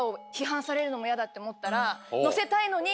だって思ったら。